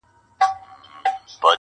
o د زړگي غوښي مي د شپې خوراك وي.